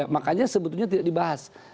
makanya sebetulnya tidak dibahas